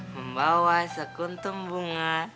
membawa sekuntung bunga